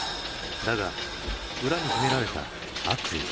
だが裏に秘められた悪意。